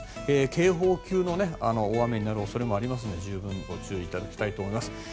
警報級の大雨になる恐れもありますので十分にご注意いただきたいと思います。